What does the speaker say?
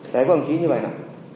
đấy có ảnh chí như vậy đó